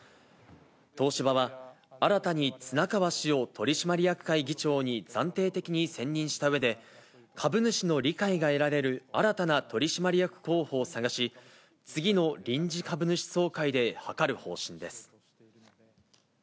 東芝は、新たに綱川氏を取締役議長に暫定的に選任したうえで、株主の理解が得られる新たな取締役候補を探し、次の臨時株主総会で諮る方針です。